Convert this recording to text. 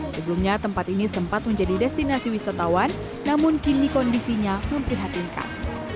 sebelumnya tempat ini sempat menjadi destinasi wisatawan namun kini kondisinya memprihatinkan